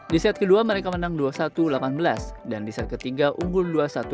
di set kedua mereka menang dua satu delapan belas dan di set ketiga unggul dua satu